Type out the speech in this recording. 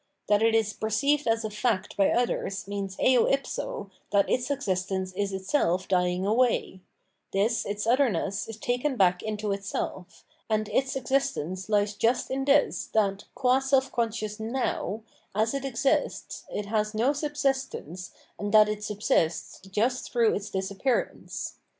That it is perceived as a fact by others means eo ipso that its existence is itself dying away : this its otherness is taken back into itself ; and its existence lies just in this, that, qua seK conscious Now, as it exists, it has no subsistence and that it subsists just through its disappearance.